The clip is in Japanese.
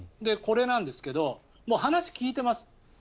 これなんですけど話を聞いています。